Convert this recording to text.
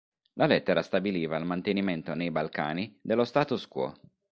La lettera stabiliva il mantenimento nei Balcani dello "status quo".